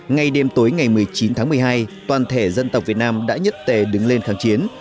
ngay đêm tối ngày một mươi chín tháng một mươi hai toàn thể dân tộc việt nam đã nhất tề đứng lên kháng chiến